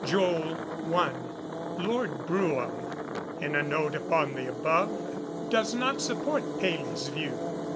JOEL I.] Lord Brougham, in a note upon the above, does not support Paley's view.